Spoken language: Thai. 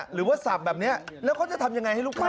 หรือว่าสับแบบนี้แล้วเขาจะทำยังไงให้ลูกค้า